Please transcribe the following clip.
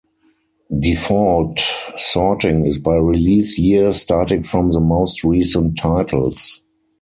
Default sorting is by release year, starting from the most recent titles.